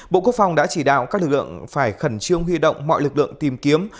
bộ quốc phòng đã chỉ đạo các lực lượng phải khẩn trương huy động mọi lực lượng tìm kiếm